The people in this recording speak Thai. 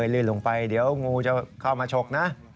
ลื่นลงไปเดี๋ยวงูจะเข้ามาฉกนะ